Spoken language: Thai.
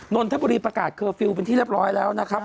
นนทบุรีประกาศเคอร์ฟิลล์เป็นที่เรียบร้อยแล้วนะครับ